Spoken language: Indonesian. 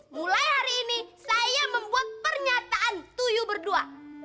mulai hari ini saya membuat pernyataan tujuh berdua